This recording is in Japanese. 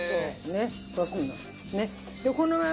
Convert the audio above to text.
こうするの。